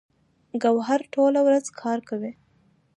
ګوهر ټوله ورځ کار کوي